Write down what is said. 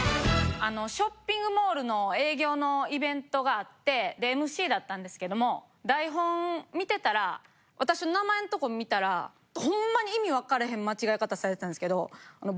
ショッピングモールの営業のイベントがあってでＭＣだったんですけども台本見てたら私の名前んとこ見たらほんまに意味わかれへん間違え方されてたんですけど。